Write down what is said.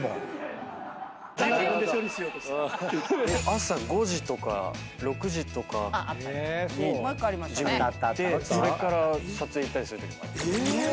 朝５時とか６時とかにジム行ってそれから撮影行ったりするときもあります。